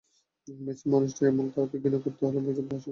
মেসির মানুষটাই এমন, তাঁকে ঘৃণা করতে হলে আপনাকে পাষাণ হৃদয়ের হতে হবে।